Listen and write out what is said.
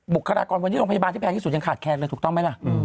คลากรวันนี้โรงพยาบาลที่แพงที่สุดยังขาดแคลนเลยถูกต้องไหมล่ะ